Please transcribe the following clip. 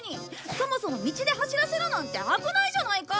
そもそも道で走らせるなんて危ないじゃないか！